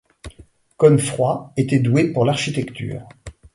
Conefroy était doué pour l'architecture.